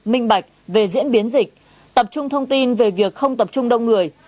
minh bạch về diễn biến dịch tập trung thông tin về việc không tập trung đông người